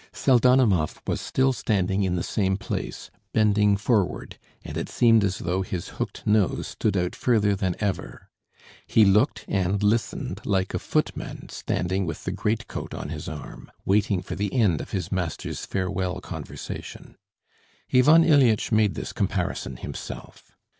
Pseldonimov was still standing in the same place, bending forward, and it seemed as though his hooked nose stood out further than ever. He looked and listened like a footman standing with the greatcoat on his arm, waiting for the end of his master's farewell conversation. Ivan Ilyitch made this comparison himself.